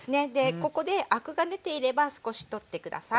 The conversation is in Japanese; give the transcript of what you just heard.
ここでアクが出ていれば少し取って下さい。